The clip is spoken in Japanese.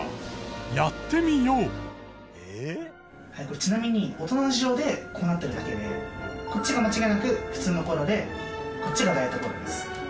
ちなみに大人の事情でこうなっているだけでこっちが間違いなく普通のコーラでこっちがダイエットコーラです。